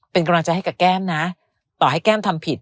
เป็นกำลังใจให้กับแก้มนะต่อให้แก้มทำผิด